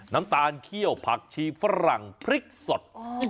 น้ำตาลเขี้ยวผักชีฝรั่งพริกสด